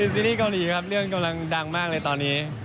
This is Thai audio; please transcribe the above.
ซีรีส์เกาหลีครับเรื่องกำลังดังมากเลยตอนนี้